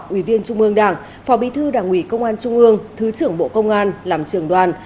ủy viên trung ương đảng phó bí thư đảng ủy công an trung ương thứ trưởng bộ công an làm trường đoàn